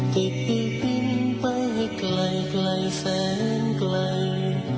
ติดดินไปให้ไกลไกลแสนไกล